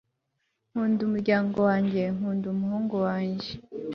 nkunda umuryango wanjye; nkunda umuhungu wanjye